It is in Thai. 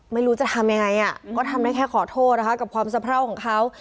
ไม่รู้จะทำยังไงพอทำได้แค่ขอโทษภาพของเขา